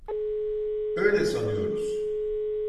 Öyle sanıyoruz.